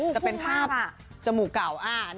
จะเป็นภาพจมูกเก่า